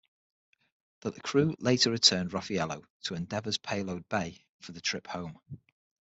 The crew later returned Raffaello to Endeavour's payload bay for the trip home.